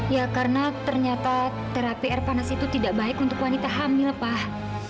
ya karena ternyata terapi air panas itu tidak baik untuk wanita hamil pak